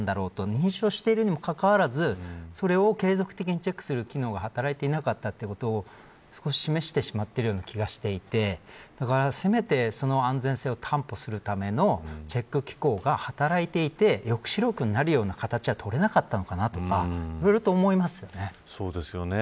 認証しているにもかかわらずそれを継続的にチェックする機能が働いていなかったということを示してしまっているような気がしていてだからせめてその安全性を担保するためのチェック機構が働いていて抑止力になるような形はとれなかったのかなとかいろいろと思いますよね。